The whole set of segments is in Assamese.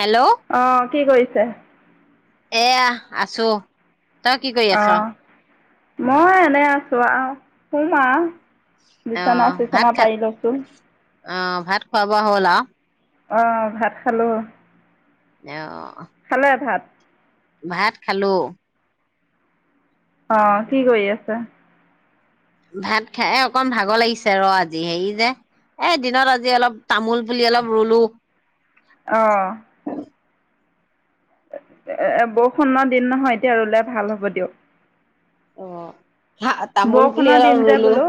হেল্ল' অঁ কি কৰিছে এয়া আছো তই কি কৰি আছ অ', মই এনে আছো অঁ সুম আৰু বিচনা চিচনা পাৰি লৈছো অঁ ভাত খোৱা বোৱা হ'ল আৰু অঁ ভাত খালোঁ খালোঁ অঁ ভাত খালো অঁ কি কৰি আছে ভাত খাই অকণ ভাগৰ লাগিছে ৰ আজি হেৰি যে এ দিনত আজি অলপ তামোল পুলি অলপ ৰুলো অঁ এ বৰষুণৰ দিন নহয় এতিয়া ৰুলে ভাল হ'ব দিয়ক অঁ হা তামোল পুলি বৰষুণৰ অলপ দিন যে ৰুলো বোলো।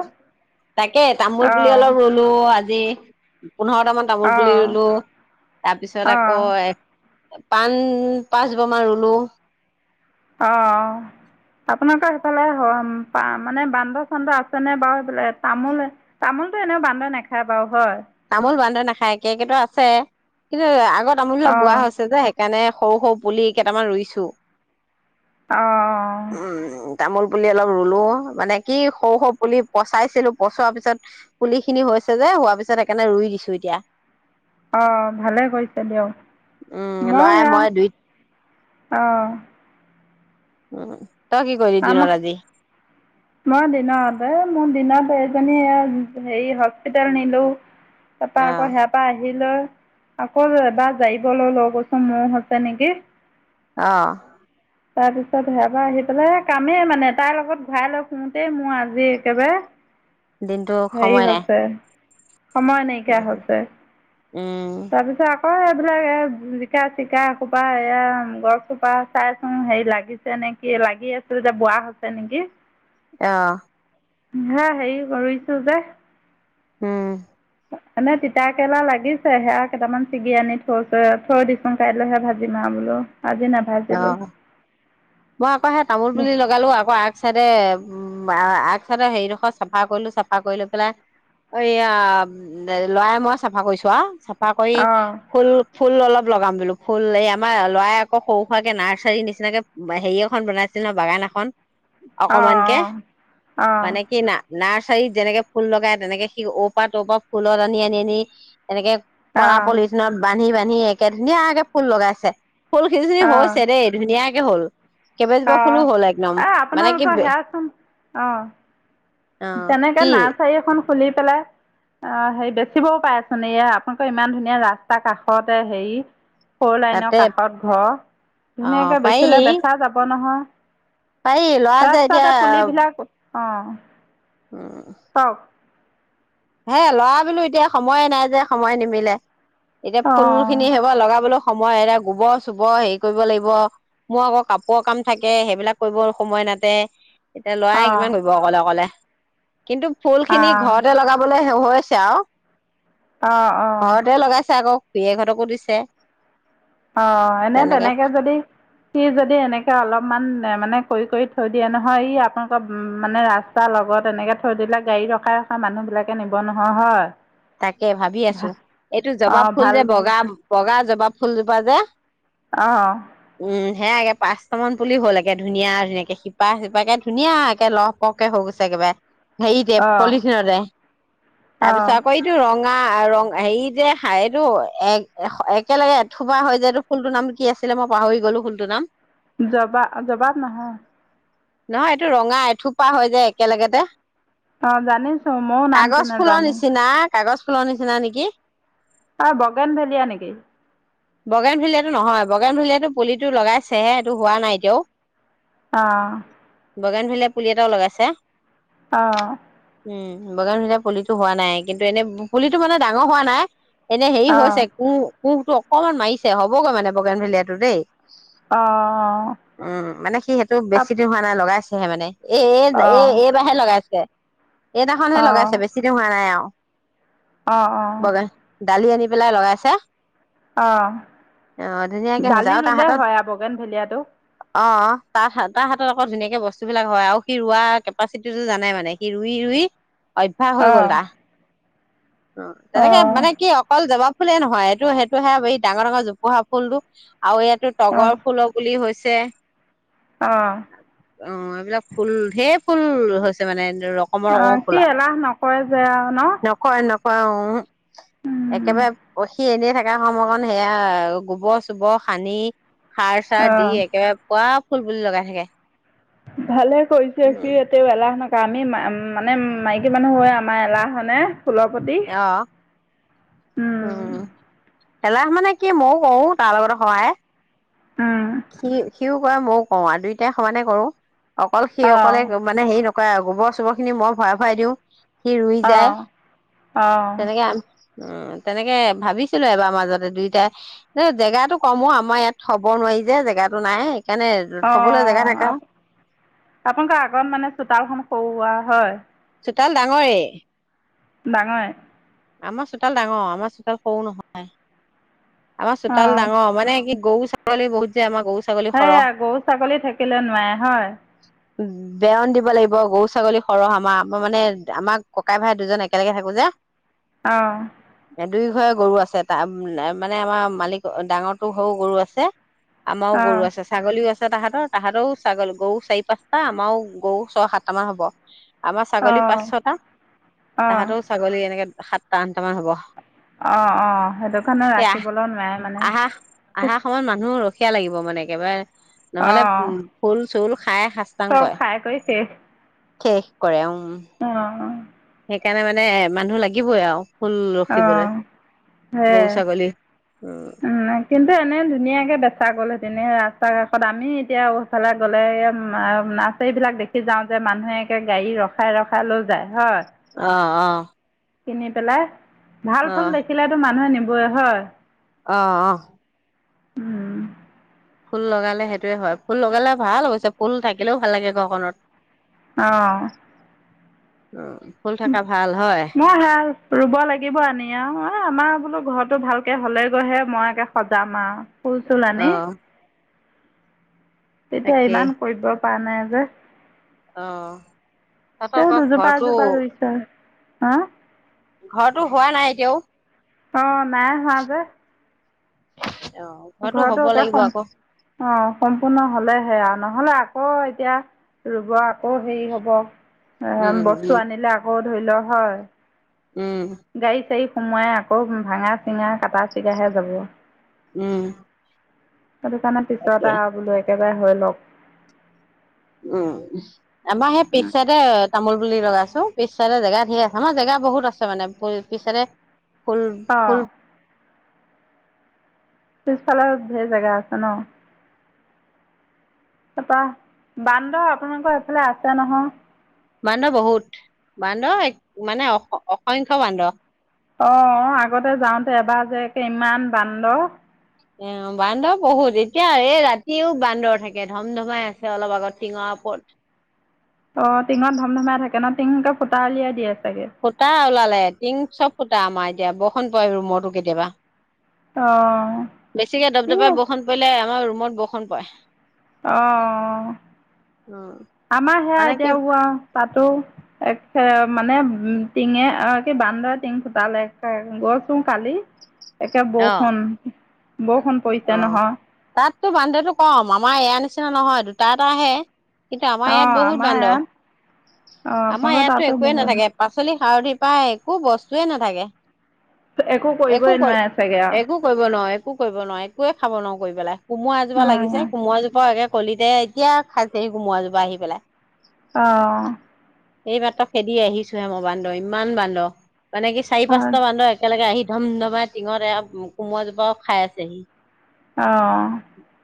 তাকে তামোল পুলি অ', অলপ ৰুলো আজি পোন্ধৰটামান তামোল পুলি অ', ৰুলো তাৰপিছত অ', আকৌ পাণ পাঁচ জোপা মান ৰুলো অঁ আপোনালোকৰ সেইফালে মানে বান্দৰ চান্দৰ আছে নে বাৰু এইবোলে তামোল তামোলতটো এনেও বান্দৰ নেখায় বাৰু হয়? তামল বান্ধৰ নাখায় কেৰ্কেটুৱা আছে কিন্তু আৰু আগ আমুল বিলাক বোৱা অ', হৈছে যে সেইকাৰণে সৰু সৰু পুলি কেইটামান ৰুইছো অঁ উম তামোল পুলি অলপ ৰুলো মানে কি সৰু সৰু পুলি পচাইছিলো পচোৱাৰ পিছত পুলি খিনি হৈছে যে হোৱাৰ পিছত সেইকাৰণে ৰুই দিছো এতিয়া অঁ ভালে কৰিছে উম দিয়ক মই লৰাই দুই সেয়া অঁ উ তই কি কৰিলি আমাৰ দিনত আজি মই দিনত মোৰ দিনত এজনী সেই হস্পিটেল নিলো তাৰাপা অ আকৌ সেয়াৰ পৰা আহি লৈ আকৌ এবাৰ জাৰিবলৈ লৈ গৈছো মহ হৈছে নেকি অঁ তাৰপিছত সেয়া আহি পেলাই কামেই মানে তাইৰ লগত ঘূৰাই লৈ ফোওঁতেই মোৰ আজি একেবাৰে দিনটো হেৰি সময় নাই হৈছে সময় নাইকিয়া উম হৈছে। উম তাৰপিছত আকৌ, ঐ', এইবিলাক এ', জিকা-চিকা সূপা, এয়া গছ চোপা চাই চোন হেৰি', লাগিছে নেকি লাগি আছিল যে বোৱা হৈছে নেকি? অহ', হা', হেৰি কৰিছো যে', উম', এনে তিতা কেৰেলা লাগিছে, সেয়া কেইটামান ছিগি আনি থৈছো, থৈ দিচোন কাইলৈহে ভাজিম আৰু বোলো। আজি অ নাভাজিলোঁ। মই', আকৌ সেই তামোল পুলি লগালো, আকৌ আগ চাইডে, উম', আগচাইডে হেৰিডোখৰত চাফা কৰিলো। চাফা কৰি লৈ পেলাই এইয়া লৰা, মই, চাফা কৰিছো আৰু চফ কিবাকৰি অঁ ফুল, ফুল অলপ লগাম বোলো, ফুল এই আমাৰ ল'ৰাই আকৌ সৰু-সুৰাকে নাৰ্চাৰীৰ নিচিনাকে হেৰি এখন বনাইছিল ন', বাগান এখন। অহ', অকমানকে -অহ', মানে কি না -অহ', নাৰ্চাৰীত যেনেকে ফুল লগাই, তেনেকে সি ঔৰপৰা-টৰপৰা ফুলত আনি আনি-আনি এনেকে অঁ কৰা পলিউচনত বান্ধি-বান্ধি, ধুনীয়াকে-ধুনীয়াকে ফুল লগাইছে। ফুল-খিনি চিনি হৈছে দেই ধুনীয়াকে। হ'ল। কেইবাজোপা ফুলো অ', হ'ল একদম এ', মানে কি আপোনালোকৰ সেয়াচোন অ', অ তেনেকে কি নাৰ্চাৰী এখন, খুলি পেলাই অ', হেৰি বেচিবও পাৰেচোন। এইয়া আপোনালোকৰ ইমান ধুনীয়া ৰাস্তা কাষতে হেৰি সৰু লাইনৰ তাতে কাষত ঘৰ অ ধুনীয়াকৈ বেচিলে বেচা যাব নহয়। পাই ল'ৰাযে এতিয়া অ', উম', হে', ল'ৰা বুলো এতিয়া সময়ে নাই যে সময়ে নিমিলে। এতিয়া ফুল অঁ খিনি সেইশুপা লগাবলৈ, সময় এৰা গোবৰ-চোবৰ হেৰি কৰিব লাগিব। মোৰ আকৌ কাপোৰৰ কাম থাকে, সেইবিলাক কৰিব সময় নাতে। এতিয়া ল'ৰাই অঁ কিমান কৰিব অকলে-অকলে। কিন্তু ফুল খিনি অঁ ঘৰতে লগাব। হৈছে আৰু। অঁ অঁ ঘৰতে লগাইছে আকৌ। দুই এঘতকো দিছে। অ' এনে তেনেকে যদি সি যদি এনেকে অলপমান মানে কৰি-কৰি থৈ দিয়ে নহয় ই আপোনালোকৰ উ, মানে ৰাস্তা লগত এনেকে থৈ দিলে গাড়ী ৰখাই ৰখা মানুহ বিলাকে নিব নহয় হয়। তাকে ভাবি আছো এইটো জবাব অঁ ফুল ভাল যে ভাল বগা-বগা জ বা ফুলজোপা যে? আহ, হে আগে পাঁচট মান পুলি হ'ল একে ধুনীয়া ধুনীয়াকে শিপা-শিপাকে ধুনীয়া একে লহ পহকে হৈ গৈছে একেবাৰে। হেৰিতে অঁ পলিথিতে অঁ তাৰপিছত ৰঙা ৰং হেৰি যে এইটো এক একেলগে থোবা হয় যে এইটো ফুলটোৰ নাম কি আছিলে মই পাহৰি গলো ফুলটোৰ নাম? জবা-জবাব নহয়, নহয় এইটো ৰঙা এথোপা হৈ যায় একেলগেতে, অ' জানিছো মই নামটো নাজানো। আ, কাগজ ফুলনি নিচিনা নেকি? অ' বগেন ভেলিয়া নেকি? বগেম ভেলিয়ো নহয়, বাগেন ভেলিয়াটো পুলিটো লগাইছেহে এইটো হোৱা নাই এতিয়াও। আহ, বগেনভেলিয়া পুলি এটাও লগাইছে। অ', উম, বগেনভেলিয়া পুলিটো হোৱা নাই। কিন্তু এনে পুলিতটো মানে ডাঙৰ হোৱা নাই এনে হেই অঁ হৈছে কু কুহটো অকণমান মাৰিছে হবগৈ মানে বগেনভেলীয়াতো দেই। অঁ উম, মানে সি সেইটো বেছি দিন হোৱা নাই লগাই হে মানে। অঁ অঁ এ-এ-এ এইবাৰে লগাইছে। এইদিনাখনহে লগাইছে বেছি দি হোৱা নাই আৰু। অঁ অঁ অঁ বগেন ডালি আনি পেলাই লগাইছে। অঁ আহ, ধুনীয়াকে হৈ হৈছে দালি আৰু তাৰ ৰুলে হাতত হয় আৰু বগেন ভেলিয়াটো আহ, তাৰ-তাৰ হাতত আকৌ ধুনীয়াকে সেই বস্তু বিলাক হয় আৰু সি ৰোৱা কেপাচিতিটো জানাই মানে সি ৰুই-ৰুই, অভ্যাস হৈ গল অঁ তাৰ। অ' তেনেকে অঁ মানে কি অকল জবাব ফুলে নহয় এইেইটো-সেইটো হে এই ডাঙৰ ডাঙৰ জোহা ফুল টো আৰু ইয়াতো তগৰ ফুলৰ পুলি হৈছে। ছে, অ ' অ এইবিলাক ফুল ধেই ফুল হৈছে মানে। ৰকমৰ অ ৰকমৰ কি এলাহ নকৰে যে আৰু ন। কৰে নকৰে উ একেবাৰে সি এনে থকা সময়কণ সেয়া গোবৰ চোবৰ সানি। সাৰ চাৰ দি অঁ একেবাৰে পোৱা। ফুল পুলি লগাই থাকে। ভালে কৰিছে উম, সি এতিয়া এলাহ নকৰে। ত আমি মা মানে মাইকী মানুহ হৈ আমাৰ এলাহ হয়নে? ফুলৰ পতি অ অ উম ' এলাহ মানে কি ময়ো কো তাৰ লগতে সহায়। সি সিও। ময়ো কৰো আৰু দুইটাই সমানে কৰো। অকল সি অঁ অকলে মানে হেৰি নকৰে। গোবৰ চোবৰ খিনি মই ভৰাই ভৰাই দিওঁ। সি ৰুই যায় অঁ অঁ তেনেকে। উ তেনেকে ভাবিছিলো এবাৰ মাজতে দুইটাই এ জেগাতো কমো আমাৰ ইয়াত থব নোৱাৰি যে। যে জেগাাতো নাই। সেইকাৰণে অ থবলৈ জেগা থাকা - অ আপোনালোক আগত মানে চোতালখন সৰু সুৰা হয়। চোতাল ডাঙৰে। ডাঙৰে। আমাৰ চোতাল ডাঙৰ আমাৰ চোতাল সৰু নহয়। আমাৰ চোতাল অঁ ডাঙৰ মানে কি গৰু ছাগলী। ছাগলী বহুত যে আমৰ গৰু- ছাগলী। সৰহ সেয়া গৰু ছাগলী থাকিলে নোৱাৰে হয়। বেয়ন দিব লাগিব গৰু ছাগলী সৰহ আমাৰ, আমাৰ মানে আমাৰ ককাই ভাই দুজন একেলগে থাকো যে। অ ' দুই ঘৰে গৰু আছে, ত মানে আমাৰ মালিক ডাঙৰটো ঘৰৰো গৰু আছে। আমাৰও অঁ গৰু আছে ছাগলীও আছে। তাহাৰৰ তাহাতো ছাগল গৰু চাৰি পাঁচটা আমাৰ আৰু গৰু ছয় সাতটা মান হব। আমাৰ ছাগলী অঁ পাঁচ ছটা অঁ তাহাঁতও ছাগলী এনেকে। সাতটা আনটা মান হ'ব। অ' অ' সেইটো কাৰণে সেই আহ ৰাখিবলৈ নোৱাই মানে। আহা আহা সময়ত মানুহ ৰখীয়া লাগিব মানে একেবাৰে। নহলে উ অঁ ফুল। [inaudible] সাস্তাং চব কৰে খাই কৰি শেষ শেষ কৰে উম অঁ সেইকাৰণে মানে মানুহ লাগিবই আৰু ফুল ৰখিবলৈ অঁ হে গৰু ছাগলী এনে ধুনীয়াকে বেচ তাইৰ হৈছে নে ৰাস্ত ঘাট ত আমি এতিয়া ফালে গ'লে নাৰ্চাৰীবিলাক দেখি যাওঁ যে মানুহে একে গাড়ী ৰখাই ৰখাই লৈ যায় হয় অ অ কিনি পেলাই ভাল অ ফল দেখিলেতো মানুহে নিব হয় অ অ উম ফুল লগালে সেইটোৱে হয় ফুল লগালে ভাল অৱশ্যে ফুল থাকিলেও ভাল লাগে ঘৰখনত অঁ উম ফুল থকা ভাল হয় মই হে ৰুব লাগিব আনি আৰু আমাৰ বোলো ঘৰত টো ভালকে হলে গৈহে মই একে সজাম আৰু ফুল চুল অ আনি তেতিয়া তাকেই ইমান কৰিব পাৰা নাই যে অ তাত আকৌ ঘৰটো হা ঘৰতো হোৱা নাই এতিয়াও অ নাই হোৱা যে [unintelligible] ঘৰটো ঘৰতো হ'ব একে লাগিব সম আকৌ অ সম্পূৰ্ণ হলে সেয়া নহলে আক এতিয়া ৰুব আকৌ হেৰি হ'ব এ উম বস্তু উম আনিলে আকৌ ধৰি ল হয় উম গাড়ী চাই সোমাই আকৌ ভাঙা চিঙা কাটা চিগাহে যাব উম সেইটো কাৰণ তাকে পিছত আৰু বোলো একে যাই হৈ লক উম আমাৰ সেই পিছতে তামোল পুলি লগাইছো পিছ ফালে জেগা ঢেৰ আছে আমাৰ জেগা বহুত আছে মানে পিছে ফুল অঁ ফুল পিছফালৰ ধেৰ জেগা আছে ন তাৰপৰা বান্দৰ আপোনালোকৰ এইফালে আছে নহয় বান্দ বহুত বান্দ এক মানে অ অসংখ্য্ বান্দ অ আগতে যাওঁতে এবাৰ যে ইমান বান্দৰ অ বান্দৰ বহুত এতিয়া এই ৰাতিও বান্দৰ থাকে ধম ধমাই আছে অলপ আগত টিঙৰ ওপৰত অ টিঙত ধম ধমাই থাকে ন টিঙংকে ফুটা উলিয়াই দিয়ে চাগে ফুটা ওলালে টিং চব ফুটা আমাৰ এতিয়া বৰষুণ পৰে ৰুমতো কেতিয়াবা অঁ বেছিকে এই অ দপদপাই বৰষুণ পৰিলে আমাৰ ৰুমত বষণ পৰে অ উম আমাৰ সেয়া মানে কি এতিয়া ওৱা তাতো এক মানে উ টিঙে অ কি বান্দৰে টিঙ ফুটালে গৈছো কালি একে অ বৌষণ অ তাততো বান্দটো কম আমাৰ এয়া নিচি না নহয় দুটা এটা আহে কিন্তু আমাৰ অ ইয়াত বহুত আমাৰ বান্দ ইয়াত অ আমাৰ আপোনালোকৰ ইয়াতো তাতো একোৱয়ে বহুত নাথাকে পাচলি সাৰথি পাই একো বস্তুৱে নাথাকে একো কৰিবই নোৱাই চাগে আ একো কৰিব নোৱাৰো একো কৰিব নোৱাৰি একোৱে খাব নোৱাৰো কৰি পেলাই কোমোৰা এজোপা অ লাগিছে কোমোৰা জোপা একে কলিতে এতিয়া খাইছেহি কোমৰাজোপা আহি পেলাই আহ এইমাত্ৰ খেদি আহিছোহে মই বান্দ ইমান বান্দ মানে কি চাৰি পাঁচটা বান্দ একেলগে আহি এক ধম ধমাই টিঙত এয়া কোমোৰাজোপাও খাই আছেহি আহ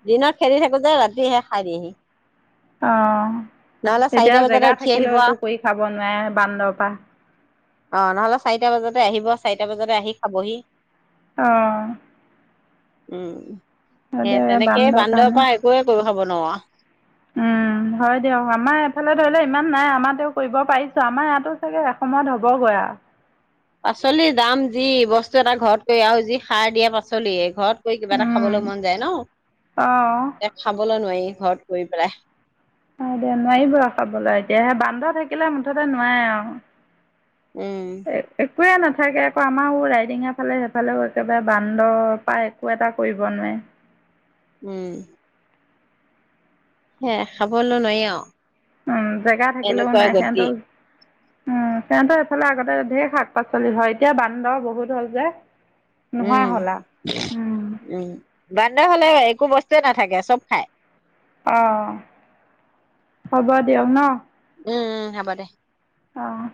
দিনত খেদি থাকো যে ৰাতি আহে খাই দিয়েহি অ নহ'লে তেতিয়া চাৰিটা বজাতে জেগা উঠি আহিব থাকিলেও আও। একো কৰি খাব নোৱাৰে বান্দ পা অ নহ'লে চাৰিটা বজাতে আহিব চাৰিটা বজাতে আহি খাবহি আহ উম সে তেনেকেই বান্দৰ পৰা একোৱয়ে কৰিব খাব ন ৱা উম হয় দিয়ক আমাৰ এফালে ধৰি লও ইমান নাই আমাৰ তেওঁ কৰিব পাৰিছো আমাৰ ইয়াতো চাগে এসময়ত হ'বগৈ আৰু পাচলি দাম যি বস্তু এটা ঘৰত কৰি আৰু যি সাৰ দিয়া পাচলি এই ঘৰত কিবা এটা খাবলৈ মন যায় ন অঁ এয়া খাবলৈ নোৱাৰি ঘৰত কৰি পেলাই অ দে নোৱাৰিব ৰ খাবলৈ এতিয়াাহে বান্দৰ থাকিলে মুঠতে নোৱাই আৰু উম একোৱে নাথাকে আকৌ আমাৰো ৰাইডিঙ এফালে সেইফালেও একেবাৰে বান্দৰ পৰা একো এটা কৰিব নোৱাৰে উম সে খাবলৈ নোৱাৰি আৰু উম জেগা থাকিলেও এনেকুৱা নাই গতি সিহঁতৰ ও উম সিহতৰ এইফালে আগতে ধেই শাক পাচলি হয় এতিয়া বান্দৰ বহুত হ'ল যে নহোৱা উম হলা বান্দৰ হলে একো বস্তুৱয়ে নাথাকে চব খাই অ হ'ব দিয়ক ন উম উম হ'ব দে আহ